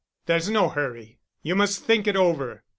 "There's no hurry. You must think it over.